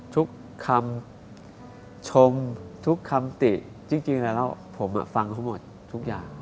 ทุกคำชมทุกคำติจริงแล้วผมฟังเขาหมดทุกอย่าง